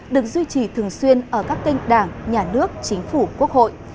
được duy trì thường xuyên ở các kênh đảng nhà nước chính phủ quốc hội